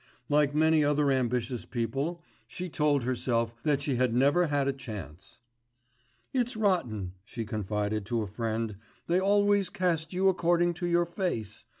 Like many other ambitious people, she told herself that she had never had a chance. "It's rotten," she confided to a friend. "They always cast you according to your face.